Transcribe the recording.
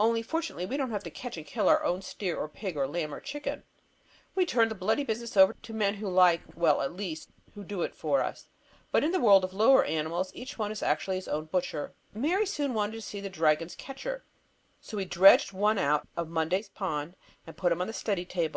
Only fortunately we don't have to catch and kill our own steer or pig or lamb or chicken. We turn the bloody business over to men who like well, at least, who do it for us. But in the world of lower animals each one is usually his own butcher. Mary soon wanted to see the dragon's "catcher," and so we dredged one out of Monday Pond, and put him on the study table.